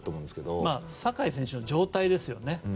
酒井選手の状態ですよね。